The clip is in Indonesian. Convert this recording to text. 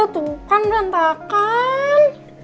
tuh kan rentakan